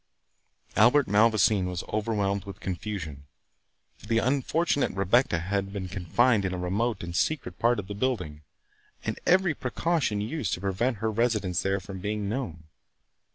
Albert Malvoisin was overwhelmed with confusion; for the unfortunate Rebecca had been confined in a remote and secret part of the building, and every precaution used to prevent her residence there from being known.